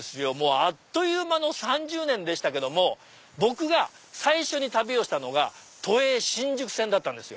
あっという間の３０年でしたけども僕が最初に旅をしたのが都営新宿線だったんですよ。